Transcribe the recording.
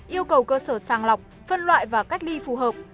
yêu cầu cơ sở sàng lọc phân loại và cách ly phù hợp